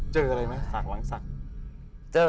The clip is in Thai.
เจออะไรไหมสักหลังสัก